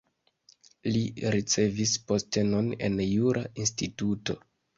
Li ricevis postenon en jura instituto.